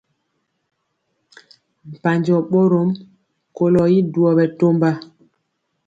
Mpanjɔ bɔrɔm kolo y duoi bɛtɔmba.